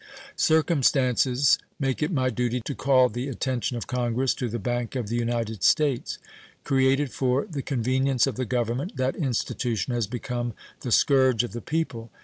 Circumstances make it my duty to call the attention of Congress to the Bank of the United States. Created for the convenience of the Government, that institution has become the scourge of the people.